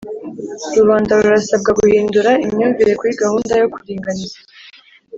Rubanda rurasabwa guhindura imyumvire kuri gahunda yo kuringaniza